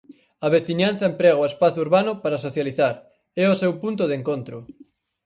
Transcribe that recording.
A veciñanza emprega o espazo urbano para socializar, é o seu punto de encontro.